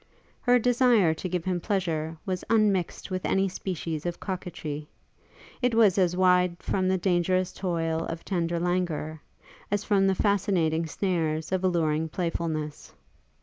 Her desire to give him pleasure was unmixt with any species of coquetry: it was as wide from the dangerous toil of tender languor, as from the fascinating snares of alluring playfulness.